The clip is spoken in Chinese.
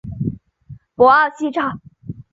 博奥西扬。